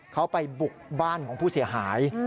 เขาไปบุกบ้านของผู้เสียหาย